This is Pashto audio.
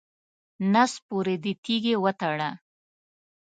نس پورې دې تیږې وتړه.